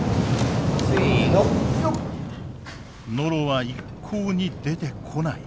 ノロは一向に出てこない。